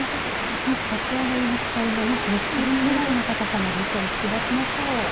立ち上がりの鎖のね３つ分ぐらいの高さまで糸を引き出しましょう。